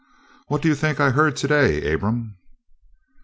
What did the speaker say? "What do you think I heard to day, Abram?"